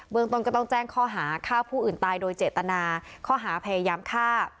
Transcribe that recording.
เมืองต้นก็ต้องแจ้งข้อหาฆ่าผู้อื่นตายโดยเจตนาข้อหาพยายามฆ่า